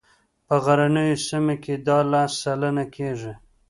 په غرنیو سیمو کې دا لس سلنه کیږي